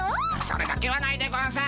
それだけはないでゴンス。